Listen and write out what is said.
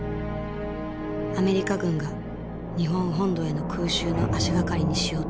アメリカ軍が日本本土への空襲の足掛かりにしようとしたのだ。